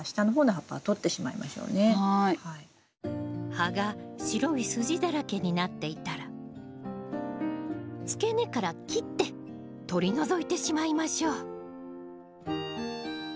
葉が白い筋だらけになっていたら付け根から切って取り除いてしまいましょう。